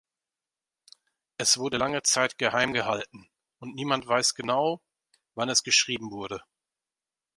Es wurde lange Zeit geheim gehalten, und niemand weiß genau, wann es geschrieben wurde.